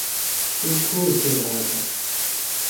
توۡ کُھوسیۡ ڈھاکہ۔